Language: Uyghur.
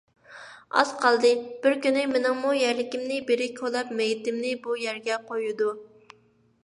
ئاز قالدى، بىر كۈنى مېنىڭمۇ يەرلىكىمنى بىرى كولاپ، مېيىتىمنى بۇ يەرگە قويىدۇ.